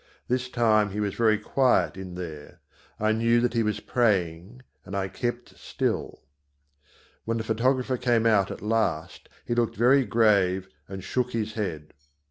This time he was very quiet in there. I knew that he was praying and I kept still. When the photographer came out at last, he looked very grave and shook his head.